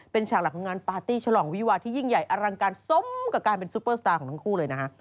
เป็นฉากหลักของงานปาร์ตี้ฉลองวิวาที่ยิ่งใหญ่อลังการสมกับการเป็นซูเปอร์สตาร์ของทั้งคู่เลยนะฮะ